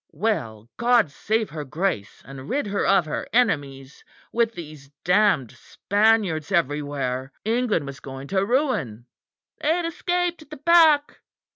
Well, God save her Grace and rid her of her enemies. With these damned Spaniards everywhere, England was going to ruin. They had escaped at the back.